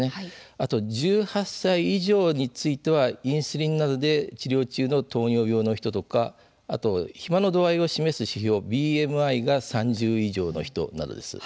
また１８歳以上についてはインスリンなどで治療中の糖尿病の人とか肥満の度合いを示す指標ＢＭＩが３０以上の人などです。